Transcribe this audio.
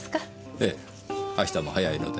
ええ明日も早いので。